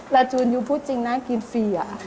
ลาจูนพี่พูดจริงนะกินฟรีอ่ะ